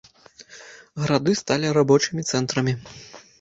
Гарады сталі рабочымі цэнтрамі.